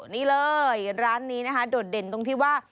นี่เลยร้านนี้นะคะโดดเด่นตรงที่ว่า